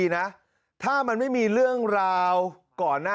แนน